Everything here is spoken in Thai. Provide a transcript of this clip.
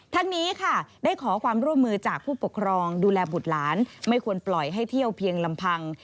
ทั้งนี้ค่ะได้ขอความร่วมมือจากผู้ปกครองดูแลบุตรหลานไม่ควรปล่อยให้เที่ยวเพียงลำพัง